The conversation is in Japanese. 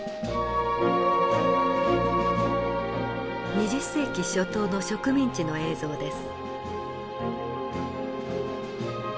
２０世紀初頭の植民地の映像です。